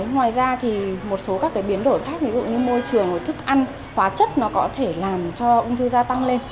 ngoài ra thì một số các cái biến đổi khác ví dụ như môi trường thức ăn hóa chất nó có thể làm cho ung thư gia tăng lên